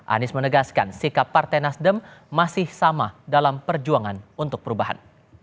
anies menegaskan sikap partai nasdem masih sama dalam perjuangan untuk perubahan